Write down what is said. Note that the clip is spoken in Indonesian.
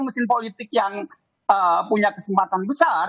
mesin politik yang punya kesempatan besar